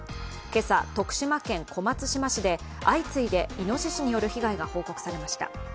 今朝、徳島県小松島市で相次いでいのししによる被害が報告されました。